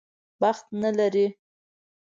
بخت نه لري.